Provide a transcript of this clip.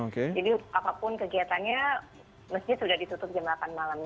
jadi apapun kegiatannya masjid sudah ditutup jam delapan malam